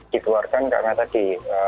dituarkan karena tadi